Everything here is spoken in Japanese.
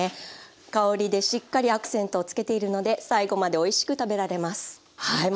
香りでしっかりアクセントをつけているので最後までおいしく食べられます。